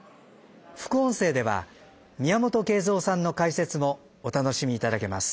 副音声では宮本圭造さんの解説もお楽しみいただけます。